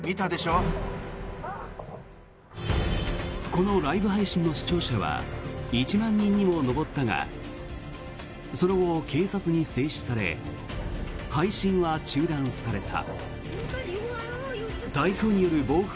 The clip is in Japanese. このライブ配信の視聴者は１万人にも上ったがその後、警察に制止され配信は中断された。